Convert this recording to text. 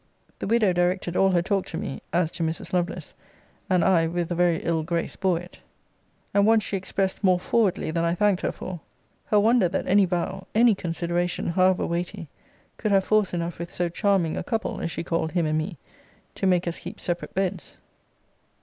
The widow directed all her talk to me, as to Mrs. Lovelace; and I, with a very ill grace bore it. And once she expressed more forwardly than I thanked her for, her wonder that any vow, any consideration, however weighty, could have force enough with so charming a couple, as she called him and me, to make us keep separate beds.